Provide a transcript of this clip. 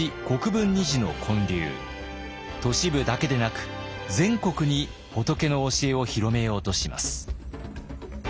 都市部だけでなく全国に仏の教えを広めようとします。